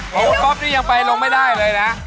โว้วก๊อบนี่ยังไปลงไม่ได้เลยนะ